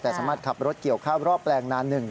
แต่สามารถขับรถเกี่ยวข้าวรอบแปลงนานหนึ่ง